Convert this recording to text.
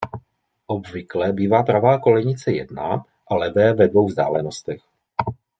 Obvykle bývá pravá kolejnice jedna a levé ve dvou vzdálenostech.